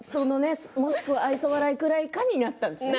もしくは愛想笑いかくらいになったんですね。